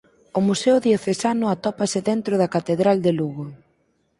O museo Diocesano atópase dentro da catedral de Lugo.